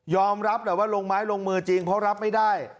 รับแหละว่าลงไม้ลงมือจริงเพราะรับไม่ได้